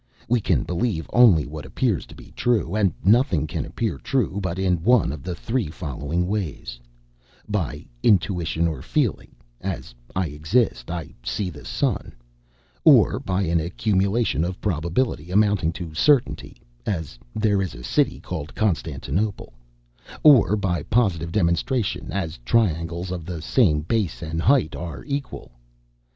We can believe only what appears to be true; and nothing can appear true but in one of the three following ways by intuition or feeling, as I exist, I see the sun; or by an accumulation of probability amounting to certainty, as there is a city called Constantinople; or by positive demonstration, as triangles of the same base and height are equal.